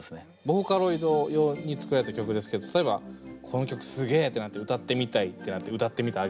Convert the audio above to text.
ボーカロイド用に作られた曲ですけど例えばこの曲すげえってなって歌ってみたいってなって「歌ってみた」